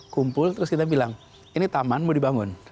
kumpul terus kita bilang ini taman mau dibangun